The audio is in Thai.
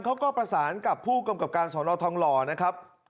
เขาก็ประสานกับผู้กำกับการสอนอทองหล่อนะครับ